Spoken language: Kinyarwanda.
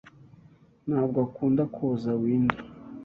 ntabwo akunda koza Windows.